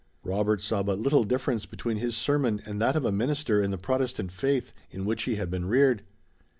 Robert saw but little difference between his sermon and that of a minister in the Protestant faith in which he had been reared.